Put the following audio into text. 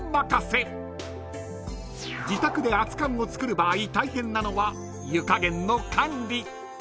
［自宅で熱かんをつくる場合大変なのは湯加減の管理］